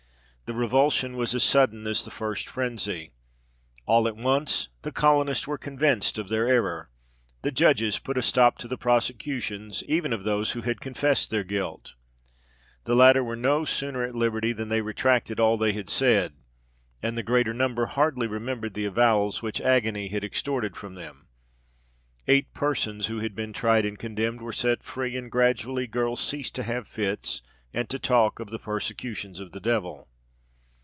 The revulsion was as sudden as the first frenzy. All at once, the colonists were convinced of their error. The judges put a stop to the prosecutions, even of those who had confessed their guilt. The latter were no sooner at liberty than they retracted all they had said, and the greater number hardly remembered the avowals which agony had extorted from them. Eight persons, who had been tried and condemned, were set free; and gradually girls ceased to have fits and to talk of the persecutions of the devil.